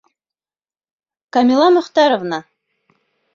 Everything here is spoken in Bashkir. Камила Мөхтәровна!